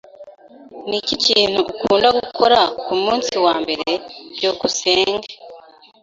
Niki kintu ukunda gukora kumunsi wambere? byukusenge